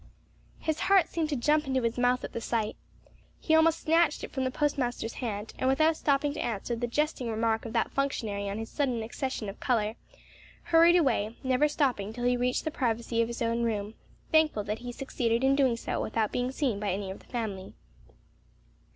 His heart seemed to jump into his mouth at the sight. He almost snatched it from the postmaster's hand, and without stopping to answer the jesting remark of that functionary on his sudden accession of color, hurried away, never stopping till he reached the privacy of his own room, thankful that he succeeded in doing so without being seen by any of the family.